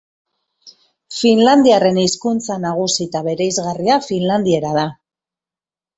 Finlandiarren hizkuntza nagusi eta bereizgarria finlandiera da.